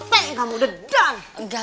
tante kamu udah selesai